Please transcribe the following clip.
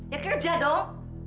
ya kerja dong